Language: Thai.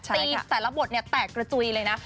แต่ละบทเนี่ยแตกกระจุยเลยนะ